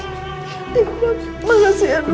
terima kasih dok